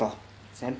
先輩！